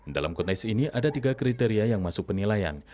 dalam kontes ini ada tiga kriteria yang masuk penilaian